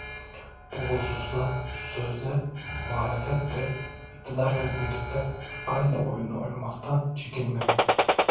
Bu hususta, sözde muhalefet de iktidarla birlikte aynı oyunu oynamaktan çekinmedi.